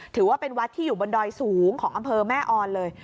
ถือว่าเป็นวัดที่อยู่บนดอยสูงของอำเภอแม่ออนเลย